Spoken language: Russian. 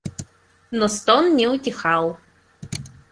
Но стон не утихал.